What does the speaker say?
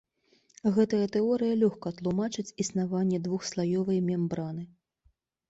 Гэтая тэорыя лёгка тлумачыць існаванне двухслаёвай мембраны.